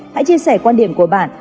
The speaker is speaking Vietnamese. hãy chia sẻ quan điểm của bạn